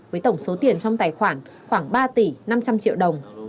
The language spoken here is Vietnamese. với tổng số tiền trong tài khoản khoảng ba tỷ năm trăm linh triệu đồng